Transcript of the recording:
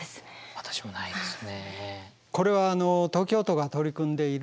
私もないですね。